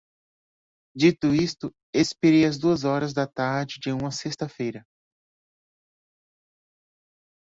Dito isto, expirei às duas horas da tarde de uma sexta-feira